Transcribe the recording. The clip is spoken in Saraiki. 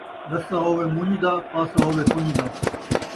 رسہ ہووے مُن٘ڄ دا ، پاسا ہووے سُن٘ڄ دا